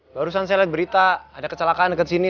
barusan saya liat berita ada kecelakaan deket sini